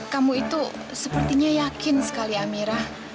kamu itu sepertinya yakin sekali amira